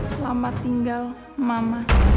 selamat tinggal mama